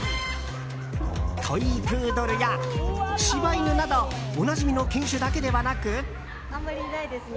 トイプードルや柴犬などおなじみの犬種だけではなく。